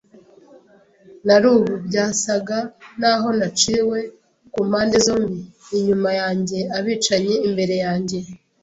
Nari ubu, byasaga naho naciwe ku mpande zombi; inyuma yanjye abicanyi, imbere yanjye